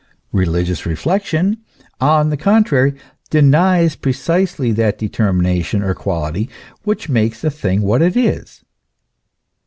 Religious re flection, on the contrary, denies precisely that determination or quality which makes a thing what it is.